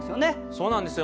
そうなんですよ。